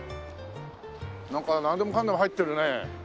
なんか何でもかんでも入ってるね。